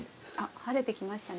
晴れてきましたね。